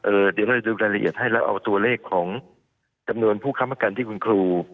เดี๋ยวเราจะดูรายละเอียดให้เราเอาตัวเลขของจำนวนผู้ค้ำประกันที่คุณครู